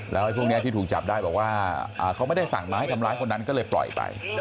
แล้วไอ้พวกนี้ที่ถูกจับได้บอกว่าเขาไม่ได้สั่งมาให้ทำร้ายคนนั้นก็เลยปล่อยไป